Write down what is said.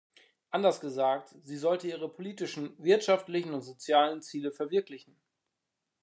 Anders gesagt, sie sollte ihre politischen, wirtschaftlichen und sozialen Ziele verwirklichen.